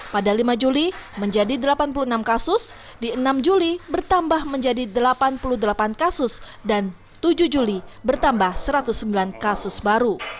pada lima juli menjadi delapan puluh enam kasus di enam juli bertambah menjadi delapan puluh delapan kasus dan tujuh juli bertambah satu ratus sembilan kasus baru